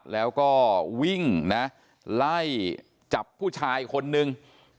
แล้วก็วิ่งนะไล่จับผู้ชายคนนึง